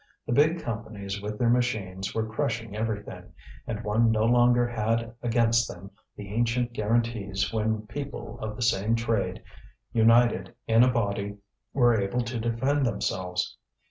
The big companies with their machines were crushing everything, and one no longer had against them the ancient guarantees when people of the same trade, united in a body, were able to defend themselves.